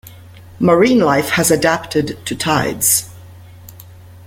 Marine life has adapted to tides.